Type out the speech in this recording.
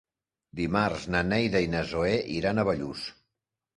Dimarts na Neida i na Zoè iran a Bellús.